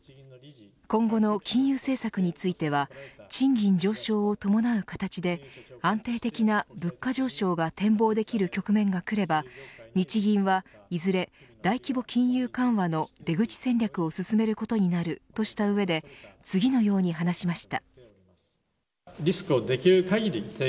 今後の金融政策については賃金上昇を伴う形で安定的な物価上昇が展望できる局面がくれば日銀はいずれ大規模金融緩和の出口戦略を進めることになるとした上で次のように話しました。